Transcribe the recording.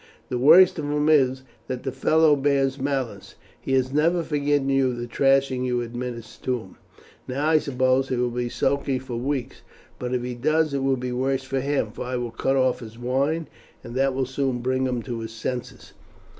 The worst of him is, that the fellow bears malice. He has never forgiven you the thrashing you administered to him. Now I suppose he will be sulky for weeks; but if he does it will be worse for him, for I will cut off his wine, and that will soon bring him to his senses."